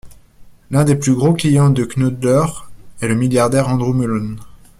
L'un des plus gros clients de Knoedler est le milliardaire Andrew Mellon.